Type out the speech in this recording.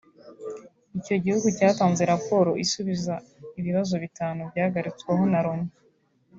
icyo gihugu cyatanze raporo isubiza ibibazo bitanu byagarutsweho na Loni